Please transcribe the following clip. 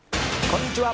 こんにちは。